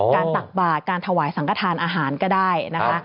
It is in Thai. ตักบาทการถวายสังกระทานอาหารก็ได้นะคะ